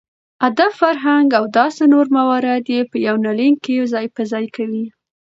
اداب ،فرهنګ او داسې نور موارد يې په يونليک کې ځاى په ځاى کوي .